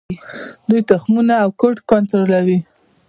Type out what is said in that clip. دوی تخمونه او کود کنټرولوي.